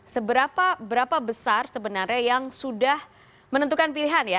seberapa besar sebenarnya yang sudah menentukan pilihan ya